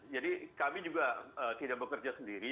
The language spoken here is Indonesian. jadi kami juga tidak bekerja sendiri